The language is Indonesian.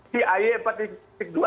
si ay empat dua ini kan sudah lengkap